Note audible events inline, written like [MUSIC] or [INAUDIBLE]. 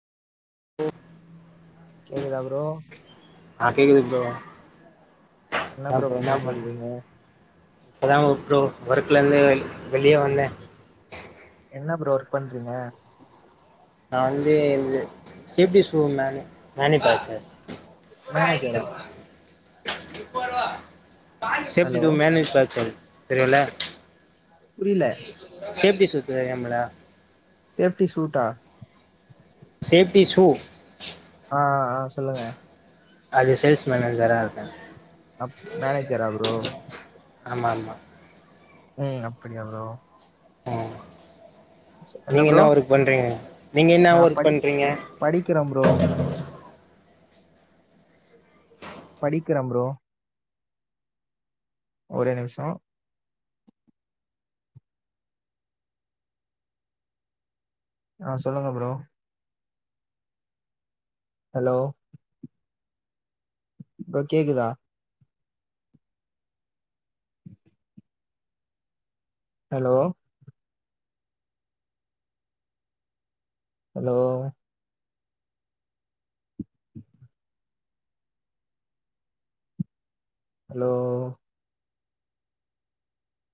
கேக்குதா ப்ரோ ஆ கேக்குது ப்ரோ ஏ ப்ரோ என்ன பண் இப்பதா ஒர்க் ப்ரோ ஒர்க்ல இருந்து வெளியே வந்தே என்ன ப்ரோ ஒர்க் பண்றீங்க நா வந்து இந்த சேப்டி ஷூ ம மேணிபேக்ச்ர் மேனஜரா நீ சேஃப்டி ஹலோ டூ மேனஜ் பேச்சல் தெரியுல புரிய்ல சேப்டி சு தெரியும்ல தேஃப்ட்டி சூட்டா சேஃப்டி ஷூ அ அ சொல்லுங்க அது சேல்ஸ் மேனேஜரா இருக்கே அப் மேனேஜரா ப்ரோ ஆமா ஆமா ம் அப்டியா ப்ரோ அ நீங்க என்ன ஒர்க் பண்றீங்க நீங்க என்ன நா ஒர்க் படி பண்றீங்க படிக்கிறேன் [INAUDIBLE] படிக்கிறே ப்ரோ ஒரே நிம்ஷோ ஆ சொல்லுங்க ப்ரோ ஹலோ ப்ரோ கேக்குதா ஹலோ ஹலோ [INAUDIBLE] ஹலோ